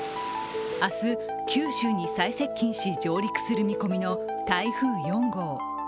明日、九州に最接近し上陸する見込みの台風４号。